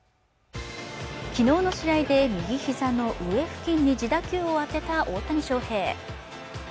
昨日の試合で右膝の上付近に自打球を当てた大谷翔平